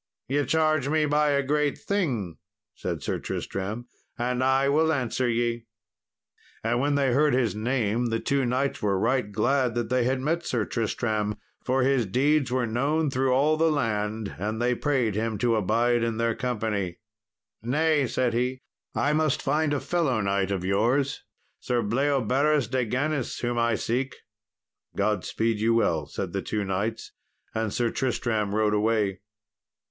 "Ye charge me by a great thing," said Sir Tristram, "and I will answer ye." And when they heard his name the two knights were right glad that they had met Sir Tristram, for his deeds were known through all the land, and they prayed him to abide in their company. "Nay," said he, "I must find a fellow knight of yours, Sir Bleoberis de Ganis, whom I seek." "God speed you well," said the two knights; and Sir Tristram rode away.